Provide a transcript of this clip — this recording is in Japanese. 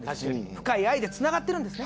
深い愛でつながってるんですね。